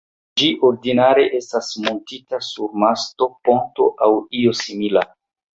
Ĝi ordinare estas muntita sur masto, ponto aŭ io simila.